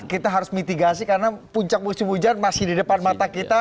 kita harus mitigasi karena puncak musim hujan masih di depan mata kita